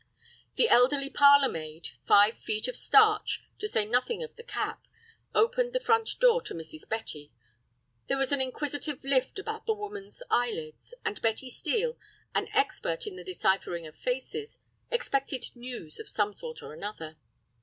The elderly parlor maid, five feet of starch, to say nothing of the cap, opened the front door to Mrs. Betty. There was an inquisitive lift about the woman's eyelids, and Betty Steel, an expert in the deciphering of faces, expected news of some sort or another.